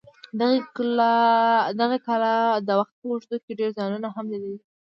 دغې کلا د وخت په اوږدو کې ډېر زیانونه هم لیدلي.